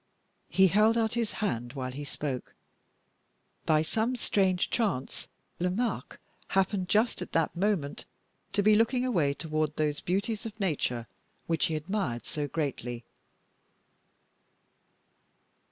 He held out his hand while he spoke. By some strange chance, Lomaque happened just at that moment to be looking away toward those beauties of Nature which he admired so greatly.